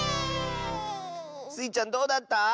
スイちゃんどうだった？